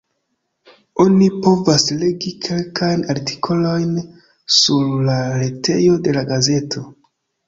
Oni povas legi kelkajn artikolojn sur la retejo de la gazeto.